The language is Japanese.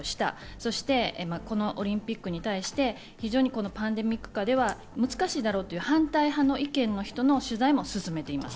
そして、このオリンピックに対してパンデミック下では難しいだろうという反対派の意見の人の取材も進めています。